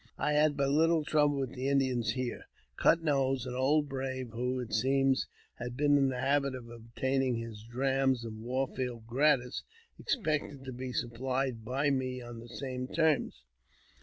I had but little trouble with the Indians here. Cut Nose, an old brave, who, it seems, had been in the habit of obtaining his drams of Wharfield gratis, expected to be supplied by me on the same terms.